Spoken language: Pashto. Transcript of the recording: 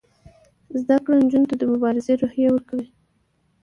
زده کړه نجونو ته د مبارزې روحیه ورکوي.